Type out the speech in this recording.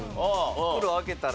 袋開けたら。